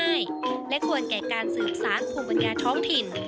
ที่ชีวิตที่เรียบง่ายและควรแก่การสืบสารภูมิปัญญาท้องถิ่น